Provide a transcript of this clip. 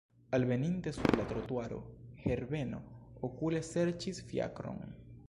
Alveninte sur la trotuaro, Herbeno okule serĉis fiakron.